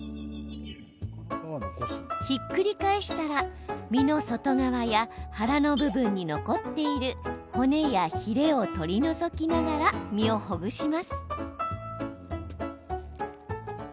ひっくり返したら身の外側や腹の部分に残っている骨やヒレを取り除きながら身をほぐします。